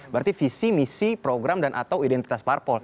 berarti visi misi program dan atau identitas parpol